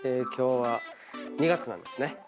今日は２月なんですね。